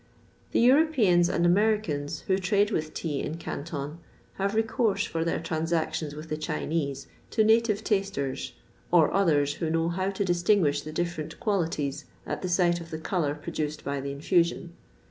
The Europeans and Americans, who trade with tea in Canton, have recourse for their transactions with the Chinese to native tasters, or others, who know how to distinguish the different qualities at the sight of the colour produced by the infusion.